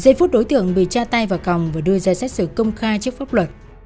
giây phút đối tượng bị tra tay vào còng và đưa ra xét xử công khai trước pháp luật